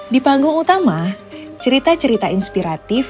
di panggung utama cerita cerita inspiratif